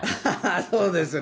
そうですね。